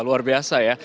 luar biasa ya